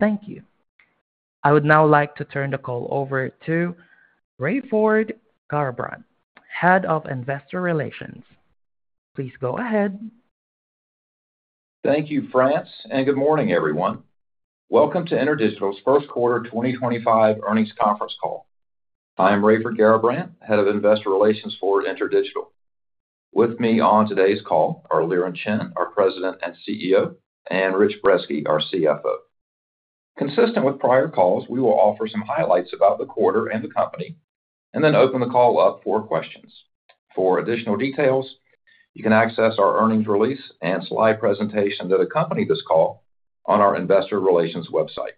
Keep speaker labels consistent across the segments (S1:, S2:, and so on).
S1: Thank you. I would now like to turn the call over to Raiford Garrabrant, Head of Investor Relations. Please go ahead.
S2: Thank you, France, and good morning, everyone. Welcome to InterDigital's first quarter 2025 earnings conference call. I am Raiford Garrabrant, Head of Investor Relations for InterDigital. With me on today's call are Liren Chen, our President and CEO, and Rich Brezski, our CFO. Consistent with prior calls, we will offer some highlights about the quarter and the company, and then open the call up for questions. For additional details, you can access our earnings release and slide presentation that accompany this call on our Investor Relations website.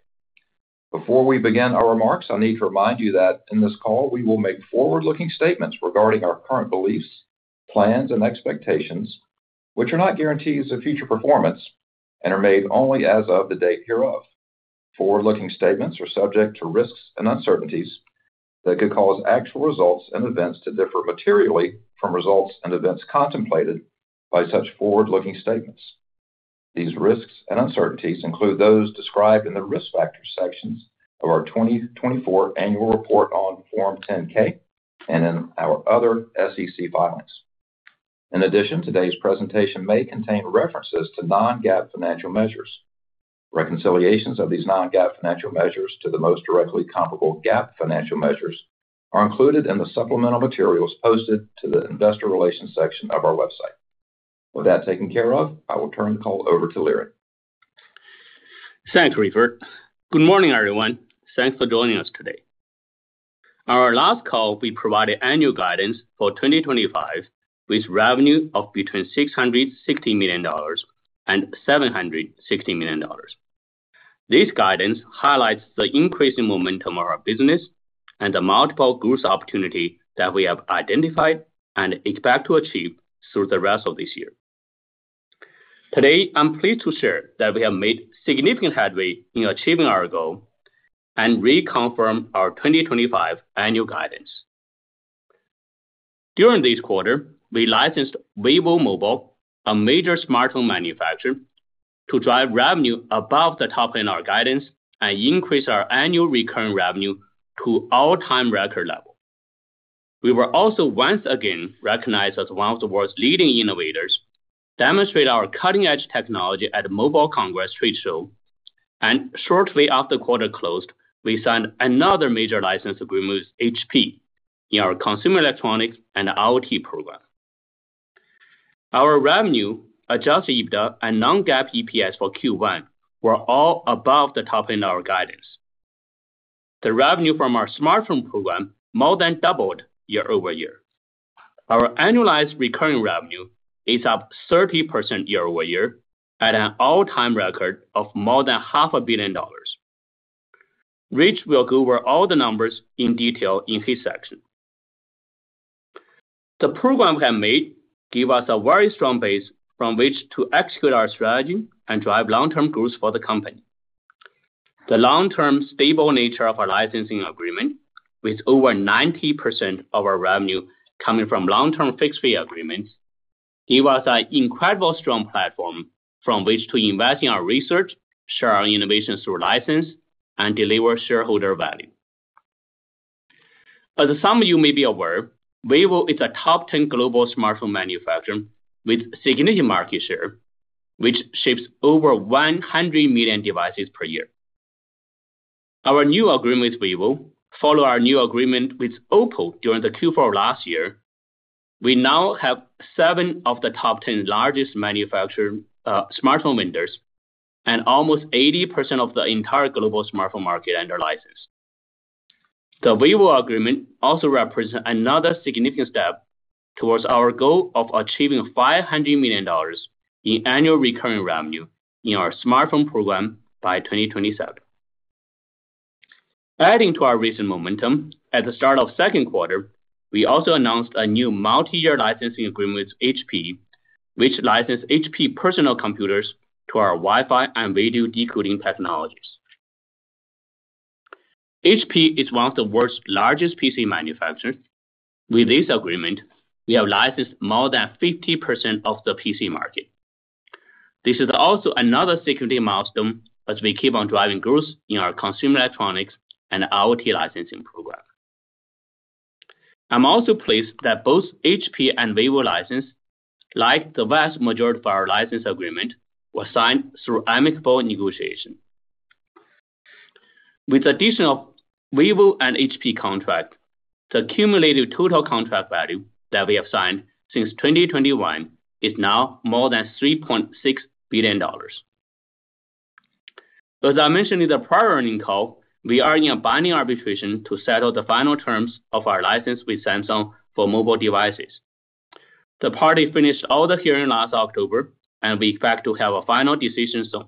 S2: Before we begin our remarks, I need to remind you that in this call we will make forward-looking statements regarding our current beliefs, plans, and expectations, which are not guarantees of future performance and are made only as of the date hereof. Forward-looking statements are subject to risks and uncertainties that could cause actual results and events to differ materially from results and events contemplated by such forward-looking statements. These risks and uncertainties include those described in the risk factors sections of our 2024 Annual Report on Form 10-K and in our other SEC filings. In addition, today's presentation may contain references to non-GAAP financial measures. Reconciliations of these non-GAAP financial measures to the most directly comparable GAAP financial measures are included in the supplemental materials posted to the Investor Relations section of our website. With that taken care of, I will turn the call over to Liren.
S3: Thanks, Raiford. Good morning, everyone. Thanks for joining us today. On our last call, we provided annual guidance for 2025 with revenue of between $660 million and $760 million. This guidance highlights the increasing momentum of our business and the multiple growth opportunities that we have identified and expect to achieve through the rest of this year. Today, I'm pleased to share that we have made significant headway in achieving our goal and reconfirmed our 2025 annual guidance. During this quarter, we licensed Vivo Mobile, a major smartphone manufacturer, to drive revenue above the top line in our guidance and increase our annual recurring revenue to all-time record levels. We were also once again recognized as one of the world's leading innovators, demonstrated our cutting-edge technology at the Mobile World Congress trade show, and shortly after the quarter closed, we signed another major license agreement with HP in our consumer electronics and IoT program. Our revenue, Adjusted EBITDA, and non-GAAP EPS for Q1 were all above the top line in our guidance. The revenue from our smartphone program more than doubled year-over-year. Our annualized recurring revenue is up 30% year-over-year at an all-time record of more than $500 million. Rich will go over all the numbers in detail in his section. The program we have made gives us a very strong base from which to execute our strategy and drive long-term growth for the company. The long-term stable nature of our licensing agreement, with over 90% of our revenue coming from long-term fixed fee agreements, gives us an incredibly strong platform from which to invest in our research, share our innovations through license, and deliver shareholder value. As some of you may be aware, Vivo is a top-tier global smartphone manufacturer with significant market share, which ships over 100 million devices per year. Our new agreement with Vivo, followed our new agreement with Oppo during the Q4 of last year, we now have seven of the top-tier largest smartphone vendors and almost 80% of the entire global smartphone market under license. The Vivo agreement also represents another significant step towards our goal of achieving $500 million in annual recurring revenue in our smartphone program by 2027. Adding to our recent momentum, at the start of the second quarter, we also announced a new multi-year licensing agreement with HP, which licenses HP personal computers to our Wi-Fi and video decoding technologies. HP is one of the world's largest PC manufacturers. With this agreement, we have licensed more than 50% of the PC market. This is also another significant milestone as we keep on driving growth in our consumer electronics and IoT licensing program. I'm also pleased that both HP and Vivo licenses, like the vast majority of our license agreements, were signed through amicable negotiation. With the addition of Vivo and HP contracts, the cumulative total contract value that we have signed since 2021 is now more than $3.6 billion. As I mentioned in the prior earnings call, we are in a binding arbitration to settle the final terms of our license with Samsung for mobile devices. The party finished all the hearing last October, and we expect to have a final decision soon.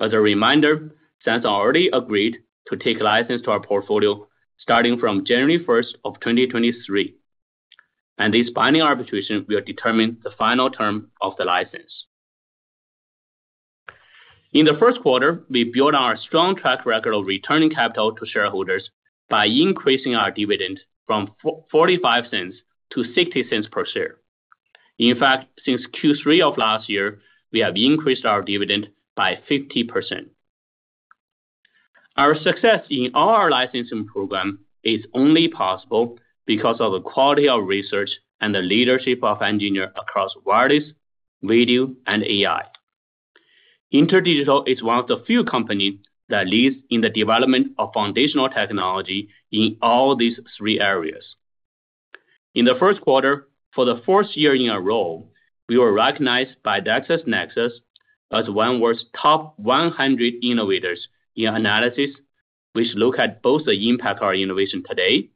S3: As a reminder, Samsung already agreed to take license to our portfolio starting from January 1st, 2023, and this binding arbitration will determine the final term of the license. In the first quarter, we built our strong track record of returning capital to shareholders by increasing our dividend from $0.45 to $0.60 per share. In fact, since Q3 of last year, we have increased our dividend by 50%. Our success in all our licensing program is only possible because of the quality of research and the leadership of engineers across wireless, video, and AI. InterDigital is one of the few companies that leads in the development of foundational technology in all these three areas. In the first quarter, for the fourth year in a row, we were recognized by Clarivate as one of the world's top 100 innovators in analysis, which look at both the impact of our innovation today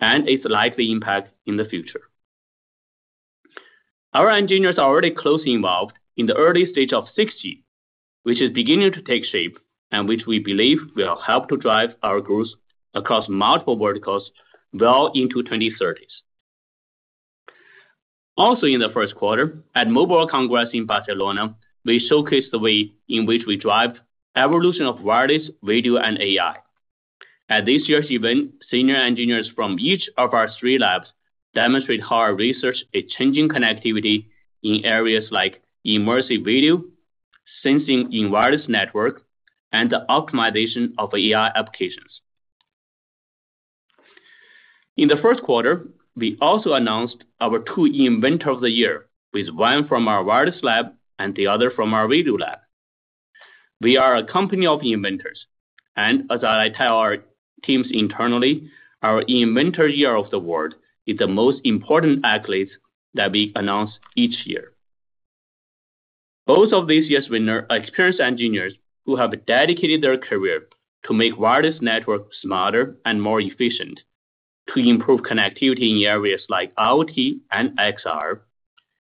S3: and its likely impact in the future. Our engineers are already closely involved in the early stage of 6G, which is beginning to take shape and which we believe will help to drive our growth across multiple verticals well into 2030. Also, in the first quarter, at Mobile World Congress in Barcelona, we showcased the way in which we drive the evolution of wireless, video, and AI. At this year's event, senior engineers from each of our three labs demonstrated how our research is changing connectivity in areas like immersive video, sensing in wireless networks, and the optimization of AI applications. In the first quarter, we also announced our two Inventors of the Year, with one from our wireless lab and the other from our video lab. We are a company of inventors, and as I tell our teams internally, our Inventor of the Year of the World is the most important accolade that we announce each year. Both of this year's winners are experienced engineers who have dedicated their career to make wireless networks smarter and more efficient, to improve connectivity in areas like IoT and XR,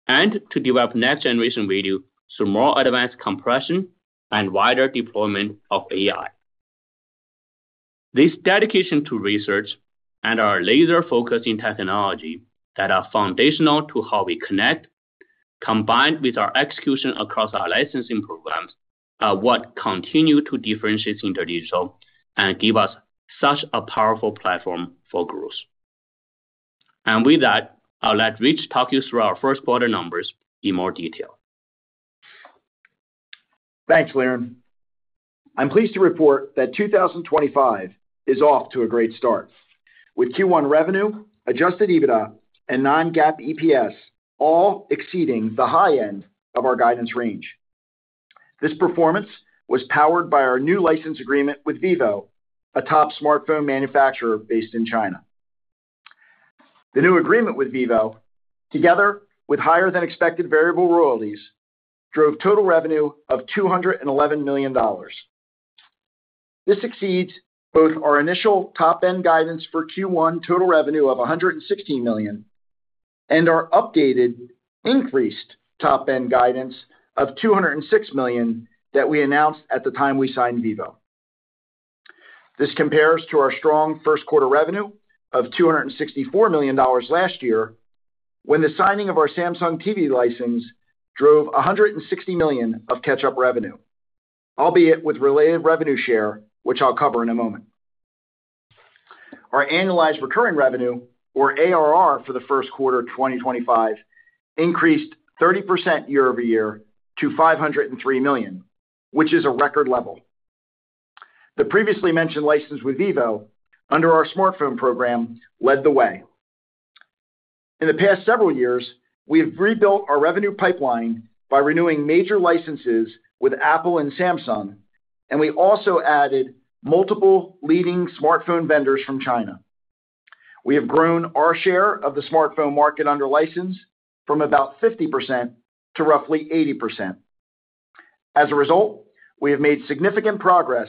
S3: and to develop next-generation video through more advanced compression and wider deployment of AI. This dedication to research and our laser focus in technology that are foundational to how we connect, combined with our execution across our licensing programs, are what continue to differentiate InterDigital and give us such a powerful platform for growth. I'll let Rich talk you through our first quarter numbers in more detail.
S4: Thanks, Liren. I'm pleased to report that 2025 is off to a great start, with Q1 revenue, Adjusted EBITDA, and non-GAAP EPS all exceeding the high end of our guidance range. This performance was powered by our new license agreement with Vivo, a top smartphone manufacturer based in China. The new agreement with Vivo, together with higher-than-expected variable royalties, drove total revenue of $211 million. This exceeds both our initial top-end guidance for Q1 total revenue of $116 million and our updated, increased top-end guidance of $206 million that we announced at the time we signed Vivo. This compares to our strong first quarter revenue of $264 million last year, when the signing of our Samsung TV license drove $160 million of catch-up revenue, albeit with related revenue share, which I'll cover in a moment. Our annualized recurring revenue, or ARR, for the first quarter of 2025 increased 30% year-over-year to $503 million, which is a record level. The previously mentioned license with Vivo under our smartphone program led the way. In the past several years, we have rebuilt our revenue pipeline by renewing major licenses with Apple and Samsung, and we also added multiple leading smartphone vendors from China. We have grown our share of the smartphone market under license from about 50% to roughly 80%. As a result, we have made significant progress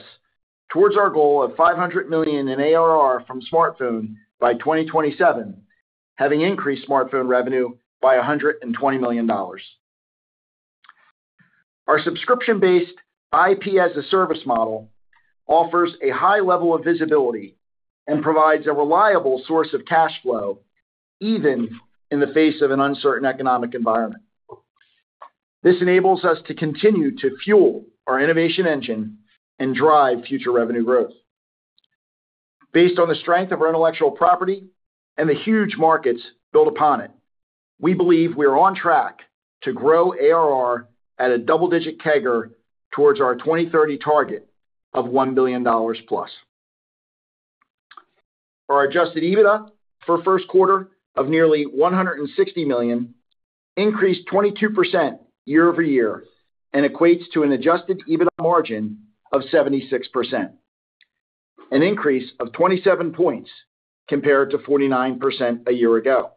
S4: towards our goal of $500 million in ARR from smartphone by 2027, having increased smartphone revenue by $120 million. Our subscription-based IP as a service model offers a high level of visibility and provides a reliable source of cash flow, even in the face of an uncertain economic environment. This enables us to continue to fuel our innovation engine and drive future revenue growth. Based on the strength of our intellectual property and the huge markets built upon it, we believe we are on track to grow ARR at a double-digit CAGR towards our 2030 target of $1 billion+. Our Adjusted EBITDA for the first quarter of nearly $160 million increased 22% year-over-year and equates to an Adjusted EBITDA margin of 76%, an increase of 27 points compared to 49% a year ago.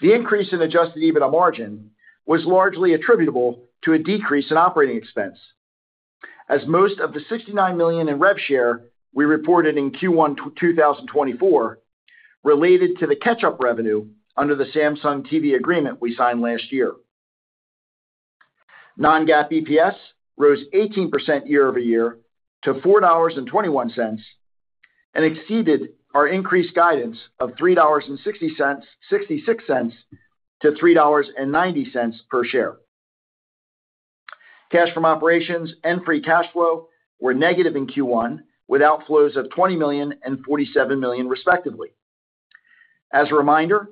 S4: The increase in Adjusted EBITDA margin was largely attributable to a decrease in operating expense, as most of the $69 million in rev share we reported in Q1 2024 related to the catch-up revenue under the Samsung TV agreement we signed last year. Non-GAAP EPS rose 18% year-over-year to $4.21 and exceeded our increased guidance of $3.66-$3.90 per share. Cash from operations and free cash flow were negative in Q1, with outflows of $20 million and $47 million, respectively. As a reminder,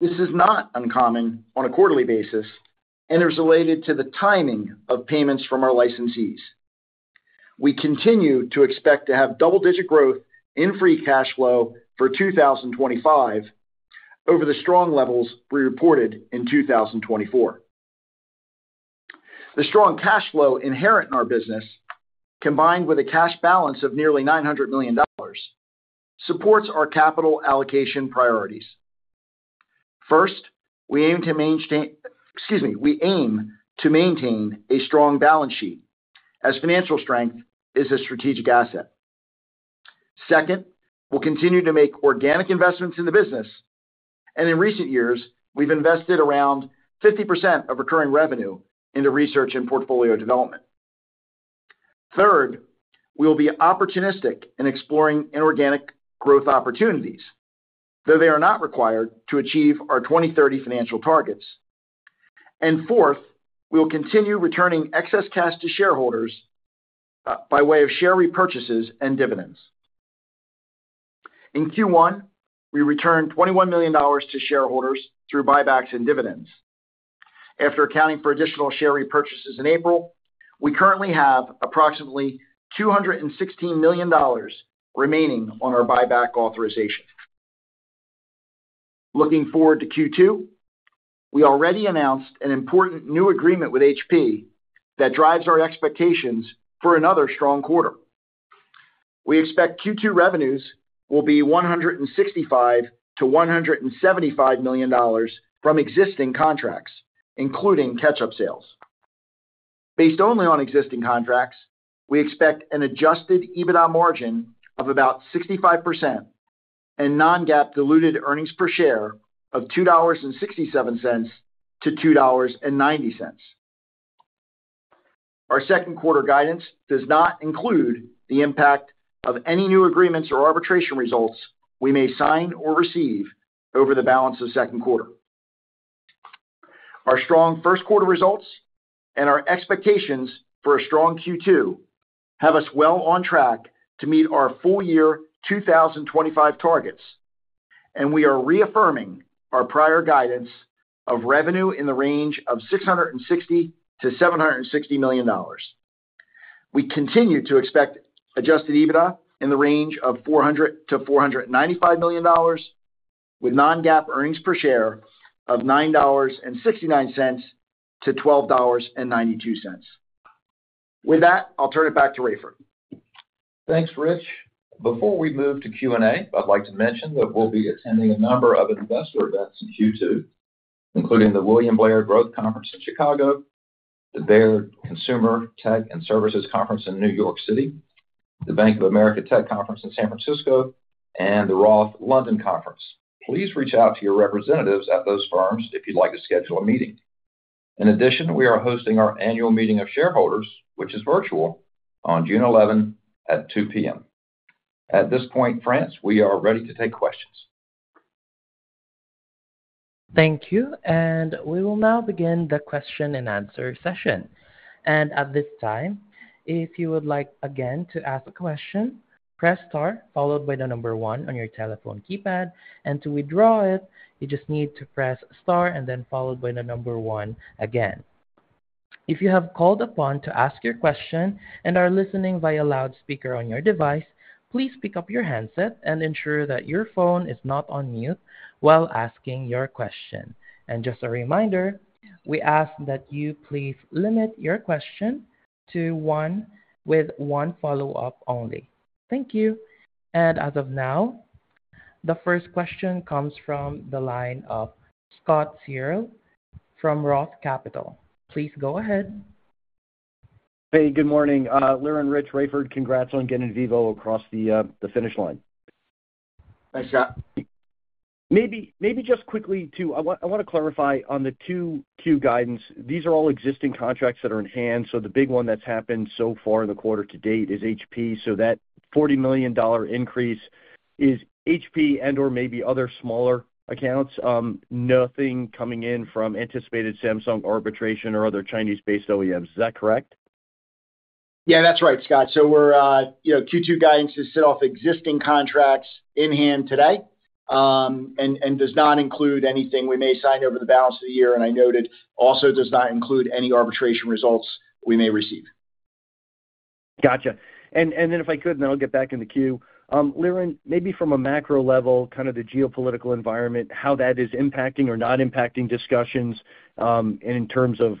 S4: this is not uncommon on a quarterly basis, and it's related to the timing of payments from our licensees. We continue to expect to have double-digit growth in free cash flow for 2025 over the strong levels we reported in 2024. The strong cash flow inherent in our business, combined with a cash balance of nearly $900 million, supports our capital allocation priorities. First, we aim to maintain, excuse me, we aim to maintain a strong balance sheet, as financial strength is a strategic asset. Second, we'll continue to make organic investments in the business, and in recent years, we've invested around 50% of recurring revenue into research and portfolio development. Third, we will be opportunistic in exploring inorganic growth opportunities, though they are not required to achieve our 2030 financial targets. Fourth, we will continue returning excess cash to shareholders by way of share repurchases and dividends. In Q1, we returned $21 million to shareholders through buybacks and dividends. After accounting for additional share repurchases in April, we currently have approximately $216 million remaining on our buyback authorization. Looking forward to Q2, we already announced an important new agreement with HP that drives our expectations for another strong quarter. We expect Q2 revenues will be $165-$175 million from existing contracts, including catch-up sales. Based only on existing contracts, we expect an Adjusted EBITDA margin of about 65% and non-GAAP diluted earnings per share of $2.67-$2.90. Our second quarter guidance does not include the impact of any new agreements or arbitration results we may sign or receive over the balance of the second quarter. Our strong first quarter results and our expectations for a strong Q2 have us well on track to meet our full year 2025 targets, and we are reaffirming our prior guidance of revenue in the range of $660-$760 million. We continue to expect Adjusted EBITDA in the range of $400-$495 million, with non-GAAP earnings per share of $9.69-$12.92. With that, I'll turn it back to Raiford.
S2: Thanks, Rich. Before we move to Q&A, I'd like to mention that we'll be attending a number of investor events in Q2, including the William Blair Growth Conference in Chicago, the Baird Consumer Tech and Services Conference in New York City, the Bank of America Tech Conference in San Francisco, and the Roth London Conference. Please reach out to your representatives at those firms if you'd like to schedule a meeting. In addition, we are hosting our annual meeting of shareholders, which is virtual, on June 11 at 2:00 P.M. At this point, France, we are ready to take questions.
S1: Thank you, we will now begin the question-and-answer session. At this time, if you would like to ask a question, press star followed by the number one on your telephone keypad, and to withdraw it, you just need to press star followed by the number one again. If you are called upon to ask your question and are listening via loudspeaker on your device, please pick up your handset and ensure that your phone is not on mute while asking your question. Just a reminder, we ask that you please limit your question to one with one follow-up only. Thank you. The first question comes from the line of Scott Searle from Roth Capital. Please go ahead.
S5: Hey, good morning. Liren, Rich, Raiford, congrats on getting Vivo across the finish line.
S4: Thanks, Scott.
S5: Maybe just quickly too, I want to clarify on the Q2 guidance. These are all existing contracts that are in hand, so the big one that's happened so far in the quarter to date is HP. So that $40 million increase is HP and/or maybe other smaller accounts. Nothing coming in from anticipated Samsung arbitration or other Chinese-based OEMs. Is that correct?
S4: Yeah, that's right, Scott. So our Q2 guidance is set off existing contracts in hand today and does not include anything we may sign over the balance of the year, and I noted also does not include any arbitration results we may receive.
S5: Gotcha. If I could, then I'll get back in the queue. Liren, maybe from a macro level, kind of the geopolitical environment, how that is impacting or not impacting discussions in terms of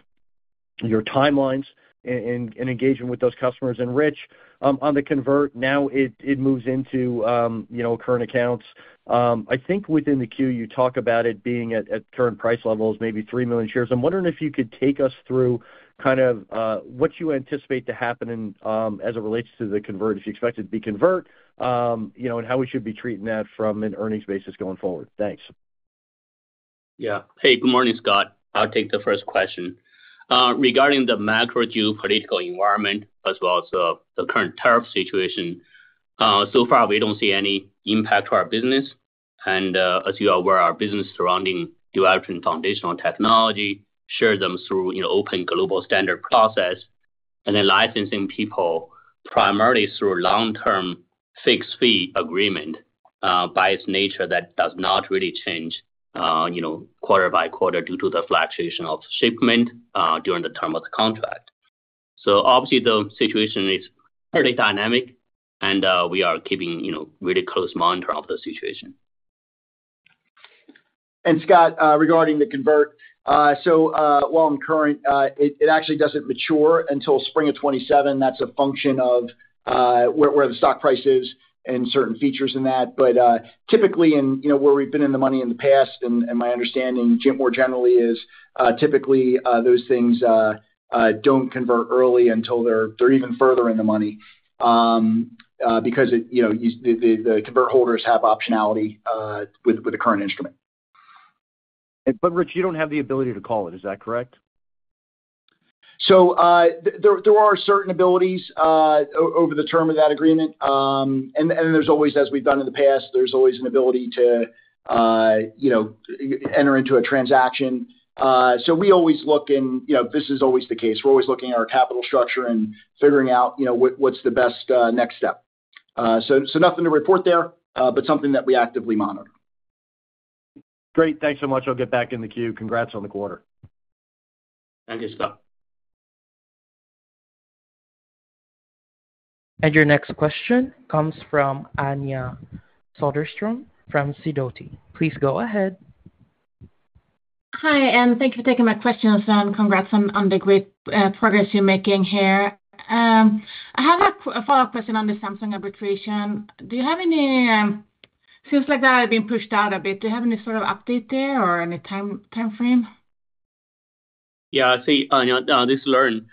S5: your timelines and engagement with those customers. Rich, on the convert, now it moves into current accounts. I think within the queue, you talk about it being at current price levels, maybe 3 million shares. I'm wondering if you could take us through kind of what you anticipate to happen as it relates to the convert, if you expect it to be convert, and how we should be treating that from an earnings basis going forward. Thanks.
S3: Yeah. Hey, good morning, Scott. I'll take the first question. Regarding the macro geopolitical environment, as well as the current tariff situation, so far, we don't see any impact to our business. As you are aware, our business surrounding developing foundational technology, share them through open global standard process, and then licensing people primarily through long-term fixed fee agreement by its nature that does not really change quarter by quarter due to the fluctuation of shipment during the term of the contract. Obviously, the situation is fairly dynamic, and we are keeping really close monitoring of the situation.
S4: Scott, regarding the convert, while I'm current, it actually does not mature until spring of 2027. That is a function of where the stock price is and certain features in that. Typically, and where we have been in the money in the past, and my understanding more generally is typically those things do not convert early until they are even further in the money because the convert holders have optionality with the current instrument.
S5: Rich, you don't have the ability to call it, is that correct?
S4: There are certain abilities over the term of that agreement. There is always, as we have done in the past, an ability to enter into a transaction. We always look in, this is always the case. We are always looking at our capital structure and figuring out what is the best next step. Nothing to report there, but something that we actively monitor.
S5: Great. Thanks so much. I'll get back in the queue. Congrats on the quarter.
S3: Thank you, Scott.
S1: Your next question comes from Anja Soderstrom from Sidoti. Please go ahead.
S6: Hi, and thank you for taking my question. Congrats on the great progress you're making here. I have a follow-up question on the Samsung arbitration. Do you have any—seems like that has been pushed out a bit. Do you have any sort of update there or any time frame?
S3: Yeah. See, this is Liren.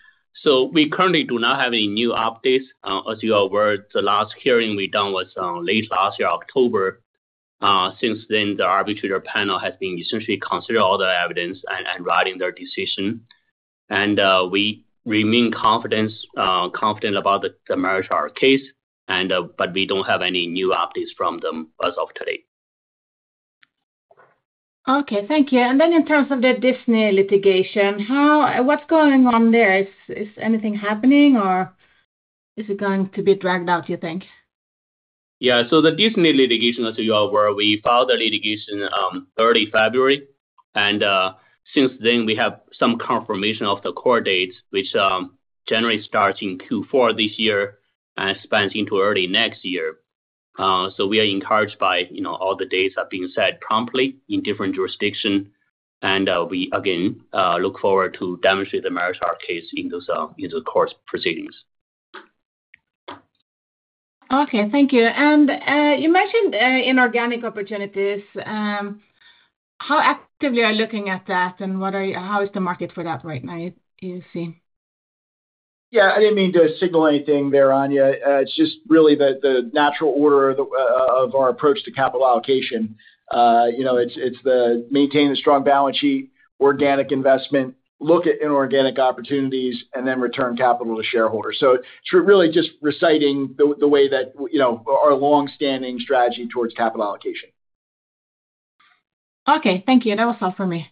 S3: We currently do not have any new updates. As you are aware, the last hearing we done was late last year, October. Since then, the arbitrator panel has been essentially considering all the evidence and writing their decision. We remain confident about the merger case, but we do not have any new updates from them as of today.
S6: Okay. Thank you. In terms of the Disney litigation, what's going on there? Is anything happening, or is it going to be dragged out, do you think?
S3: Yeah. The Disney litigation, as you are aware, we filed the litigation early February. Since then, we have some confirmation of the court dates, which generally starts in Q4 this year and expands into early next year. We are encouraged by all the dates that have been set promptly in different jurisdictions. We, again, look forward to demonstrating the merger case in the court proceedings.
S6: Okay. Thank you. You mentioned inorganic opportunities. How actively are you looking at that, and how is the market for that right now, do you see?
S4: Yeah. I did not mean to signal anything there, Anja. It is just really the natural order of our approach to capital allocation. It is maintain a strong balance sheet, organic investment, look at inorganic opportunities, and then return capital to shareholders. It is really just reciting the way that our long-standing strategy towards capital allocation.
S6: Okay. Thank you. That was all for me.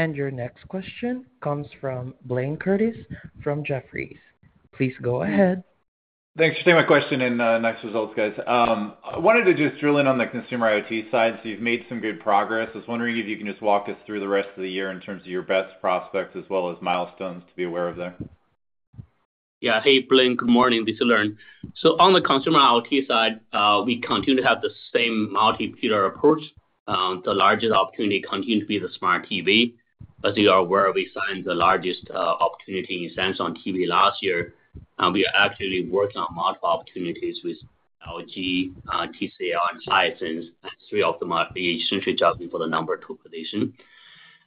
S1: Your next question comes from Blayne Curtis from Jefferies. Please go ahead.
S7: Thanks. Same question and nice results, guys. I wanted to just drill in on the consumer IoT side. You have made some good progress. I was wondering if you can just walk us through the rest of the year in terms of your best prospects as well as milestones to be aware of there.
S3: Yeah. Hey, Blayne. Good morning. This is Liren. On the consumer IoT side, we continue to have the same multi-pillar approach. The largest opportunity continues to be the smart TV. As you are aware, we signed the largest opportunity in Samsung TV last year. We are actually working on multiple opportunities with LG, TCL, and Hisense, and three of them are essentially jumping for the number two position.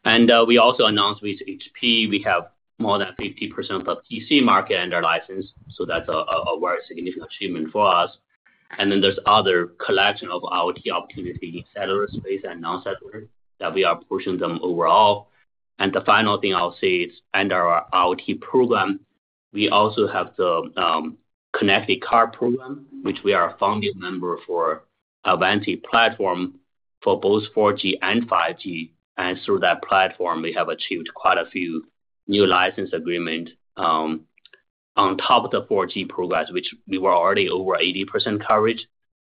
S3: We also announced with HP, we have more than 50% of the PC market under license. That is a very significant achievement for us. There is another collection of IoT opportunities in cellular space and non-cellular that we are pushing overall. The final thing I'll say is under our IoT program, we also have the connected car program, which we are a founding member for Avanti platform for both 4G and 5G. Through that platform, we have achieved quite a few new license agreements on top of the 4G progress, which we were already over 80% coverage.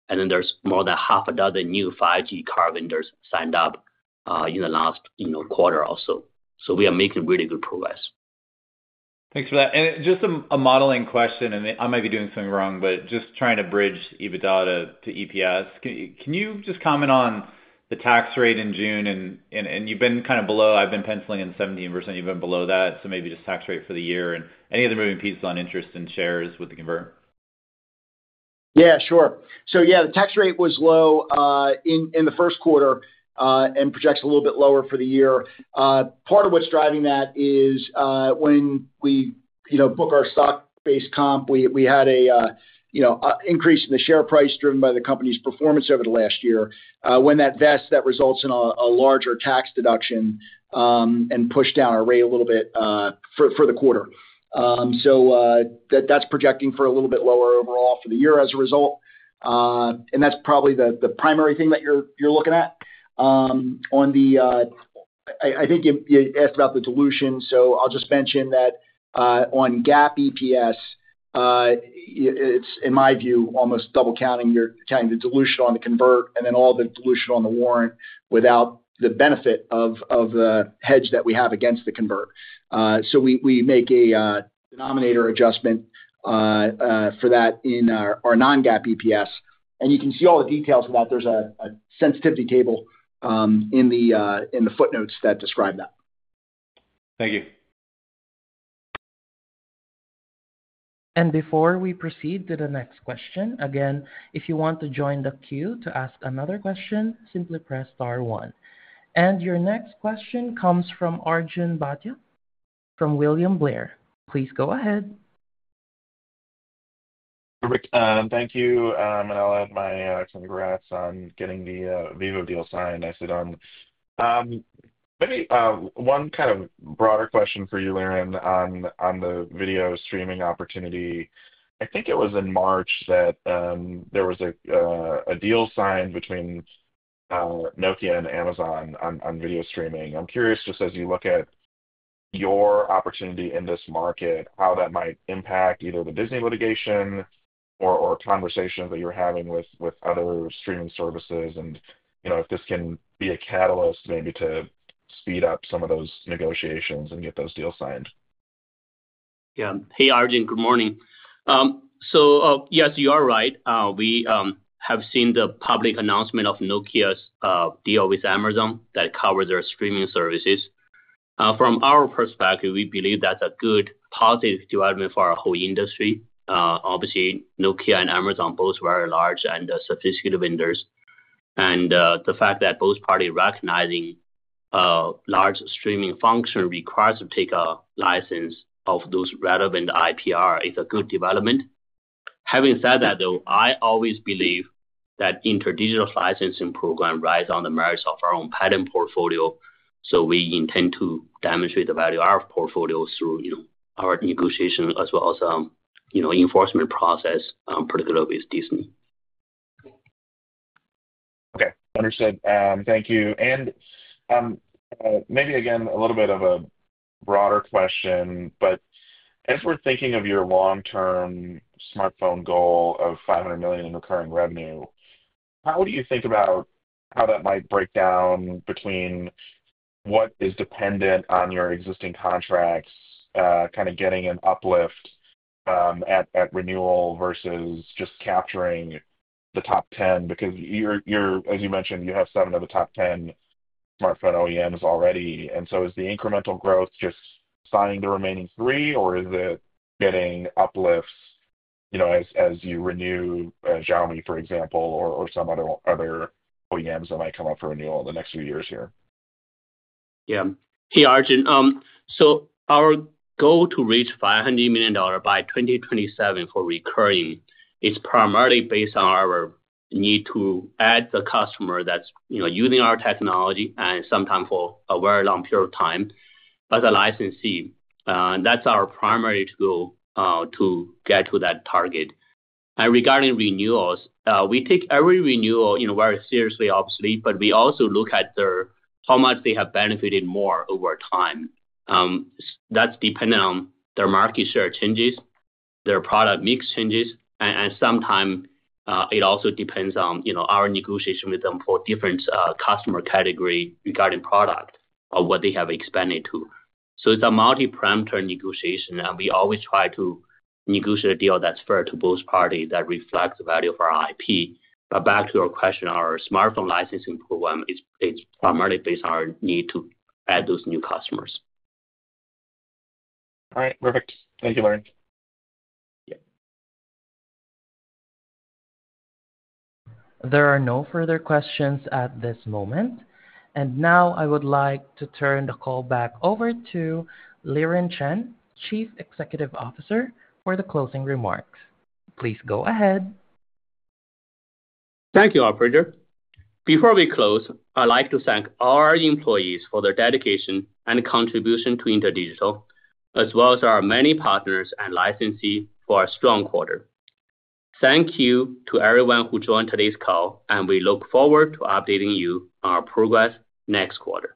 S3: There are more than half a dozen new 5G car vendors signed up in the last quarter also. We are making really good progress.
S7: Thanks for that. Just a modeling question, and I might be doing something wrong, but just trying to bridge EBITDA to EPS. Can you just comment on the tax rate in June? You have been kind of below—I have been penciling in 17%. You have been below that. Maybe just tax rate for the year and any other moving pieces on interest and shares with the convert?
S4: Yeah, sure. Yeah, the tax rate was low in the first quarter and projects a little bit lower for the year. Part of what's driving that is when we book our stock-based comp, we had an increase in the share price driven by the company's performance over the last year. When that vests, that results in a larger tax deduction and pushed down our rate a little bit for the quarter. That is projecting for a little bit lower overall for the year as a result. That's probably the primary thing that you're looking at. I think you asked about the dilution. I'll just mention that on GAAP EPS, it's, in my view, almost double-counting. You're counting the dilution on the convert and then all the dilution on the warrant without the benefit of the hedge that we have against the convert. We make a denominator adjustment for that in our non-GAAP EPS. You can see all the details of that. There is a sensitivity table in the footnotes that describe that.
S7: Thank you.
S1: Before we proceed to the next question, again, if you want to join the queue to ask another question, simply press star one. Your next question comes from Arjun Bhatia from William Blair. Please go ahead.
S8: Thank you. I'll add my congrats on getting the Vivo deal signed. Maybe one kind of broader question for you, Liren, on the video streaming opportunity. I think it was in March that there was a deal signed between Nokia and Amazon on video streaming. I'm curious, just as you look at your opportunity in this market, how that might impact either the Disney litigation or conversations that you're having with other streaming services and if this can be a catalyst maybe to speed up some of those negotiations and get those deals signed.
S3: Yeah. Hey, Arjun. Good morning. Yes, you are right. We have seen the public announcement of Nokia's deal with Amazon that covers their streaming services. From our perspective, we believe that's a good positive development for our whole industry. Obviously, Nokia and Amazon are both very large and sophisticated vendors. The fact that both parties recognizing large streaming functions requires to take a license of those relevant IPR is a good development. Having said that, though, I always believe that InterDigital licensing program rides on the merits of our own patent portfolio. We intend to demonstrate the value of our portfolio through our negotiation as well as enforcement process, particularly with Disney.
S8: Okay. Understood. Thank you. Maybe again, a little bit of a broader question, but as we're thinking of your long-term smartphone goal of $500 million in recurring revenue, how do you think about how that might break down between what is dependent on your existing contracts, kind of getting an uplift at renewal versus just capturing the top 10? Because as you mentioned, you have seven of the top 10 smartphone OEMs already. Is the incremental growth just signing the remaining three, or is it getting uplifts as you renew Xiaomi, for example, or some other OEMs that might come up for renewal in the next few years here?
S3: Yeah. Hey, Arjun. Our goal to reach $500 million by 2027 for recurring is primarily based on our need to add the customer that's using our technology and sometimes for a very long period of time as a licensee. That's our primary tool to get to that target. Regarding renewals, we take every renewal very seriously, obviously, but we also look at how much they have benefited more over time. That's dependent on their market share changes, their product mix changes, and sometimes it also depends on our negotiation with them for different customer categories regarding product or what they have expanded to. It is a multi-parameter negotiation, and we always try to negotiate a deal that's fair to both parties that reflects the value of our IP. Back to your question, our smartphone licensing program is primarily based on our need to add those new customers.
S8: All right. Perfect. Thank you, Liren.
S1: There are no further questions at this moment. I would like to turn the call back over to Liren Chen, Chief Executive Officer, for the closing remarks. Please go ahead.
S3: Thank you, Operator. Before we close, I'd like to thank all our employees for their dedication and contribution to InterDigital, as well as our many partners and licensees for a strong quarter. Thank you to everyone who joined today's call, and we look forward to updating you on our progress next quarter.